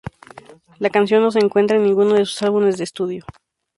La canción no se encuentra en ninguno de sus álbumes de estudio.